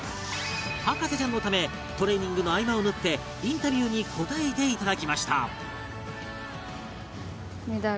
『博士ちゃん』のためトレーニングの合間を縫ってインタビューに答えていただきました